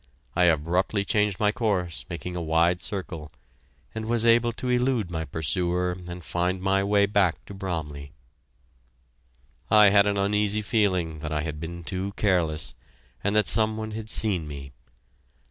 I abruptly changed my course, making a wide circle, and was able to elude my pursuer and find my way back to Bromley. I had an uneasy feeling that I had been too careless, and that some one had seen me.